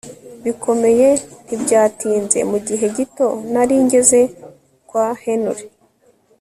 bikomeye Ntibyatinze mu gihe gito nari ngeze kwa Henry